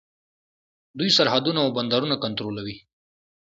دوی سرحدونه او بندرونه کنټرولوي.